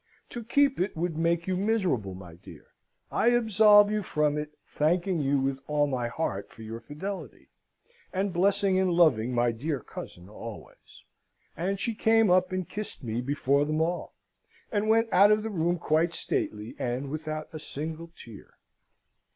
To keep it would make you miserable, my dear. I absolve you from it, thanking you with all my heart for your fidelity, and blessing and loving my dear cousin always.' And she came up and kissed me before them all, and went out of the room quite stately, and without a single tear.